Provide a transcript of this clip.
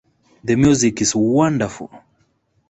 The music is wonderful!